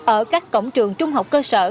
ở các cổng trường trung học cơ sở